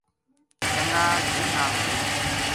چنگا جن نال ہویو